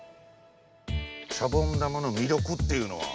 シャボン玉のみりょくっていうのは？